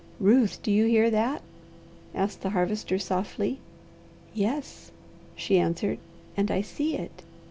"Ruth, do you hear that?" asked the Harvester softly. "Yes," she answered, "and I see it.